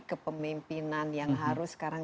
kepemimpinan yang harus sekarang